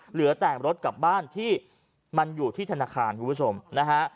เหลือแต่รถกลับบ้านที่มันอยู่ที่ธนาคารคุณผู้ชมนะฮะ